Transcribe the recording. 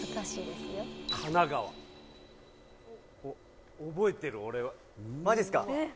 神奈川覚えてる俺はマジすか？